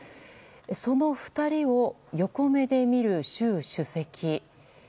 その２人を横目で見る習主席。